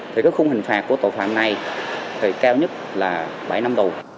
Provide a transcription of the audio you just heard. thì các khung hình phạt của tội phạm này thì cao nhất là bảy năm đầu